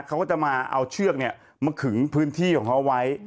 เขาก็จะมาเอาเชือกมาขึงพื้นที่ของเขาไว้